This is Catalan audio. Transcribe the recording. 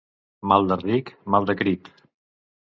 Mal de ric, mal de crit.